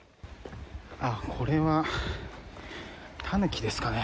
あっ、これはタヌキですかね。